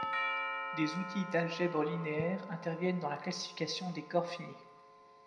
Des outils d'algèbre linéaire interviennent dans la classification des corps finis.